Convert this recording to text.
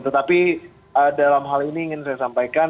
tetapi dalam hal ini ingin saya sampaikan